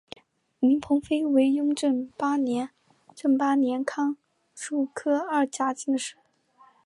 林鹏飞为雍正八年庚戌科二甲进士。